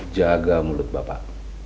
jaga mulut bapak